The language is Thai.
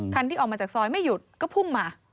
ที่ออกมาจากซอยไม่หยุดก็พุ่งมา